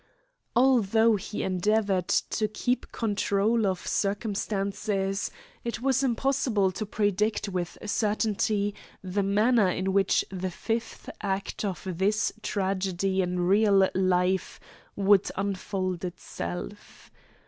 Although he endeavoured to keep control of circumstances, it was impossible to predict with certainty the manner in which the fifth act of this tragedy in real life would unfold itself.